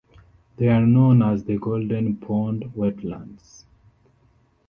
They are known as the Golden Pond wetlands.